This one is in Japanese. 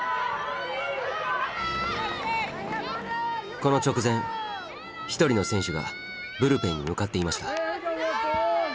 この直前１人の選手がブルペンに向かっていました。